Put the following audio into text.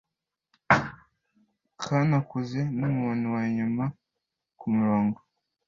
Kanakuze numuntu wanyuma kumurongo.